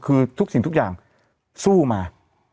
คือทุกสิ่งทุกอย่างสู้มา